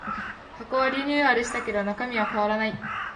箱はリニューアルしたけど中身は変わらない